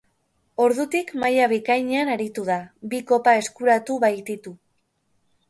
Ordutik maila bikainean aritu da, bi kopa eskuratu baititu.